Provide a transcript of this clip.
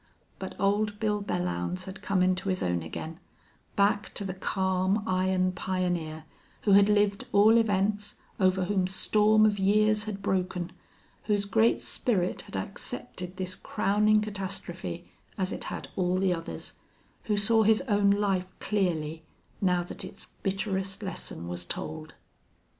But Old Bill Belllounds had come into his own again back to the calm, iron pioneer who had lived all events, over whom storm of years had broken, whose great spirit had accepted this crowning catastrophe as it had all the others, who saw his own life clearly, now that its bitterest lesson was told.